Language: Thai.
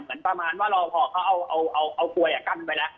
เหมือนประมาณว่าเราพอเขาเอาเอาเอาเอากลัวอย่างกั้นไปแล้ว